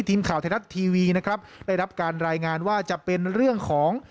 ทีมข่าวไทยรัฐทีวีนะครับได้รับการรายงานว่าจะเป็นเรื่องของ